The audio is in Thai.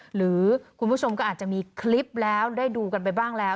หรือคุณผู้ชมก็อาจจะมีคลิปแล้วได้ดูกันไปบ้างแล้ว